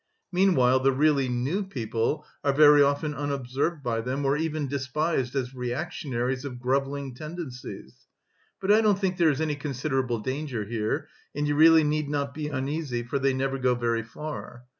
Meanwhile the really new people are very often unobserved by them, or even despised as reactionaries of grovelling tendencies. But I don't think there is any considerable danger here, and you really need not be uneasy for they never go very far.